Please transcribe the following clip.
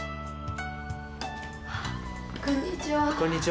こんにちは。